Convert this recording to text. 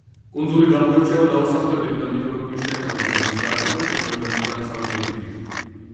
კუნძული გამოირჩევა დაუსახლებელი და მიტოვებული შენობებით და მის გარშემო შემოვლებული დამცავი ჯებირით.